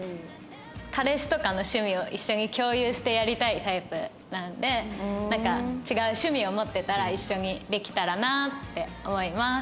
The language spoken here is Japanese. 彼氏とかの趣味を一緒に共有してやりたいタイプなんでなんか違う趣味を持ってたら一緒にできたらなって思います。